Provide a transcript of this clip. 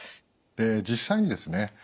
実際にですね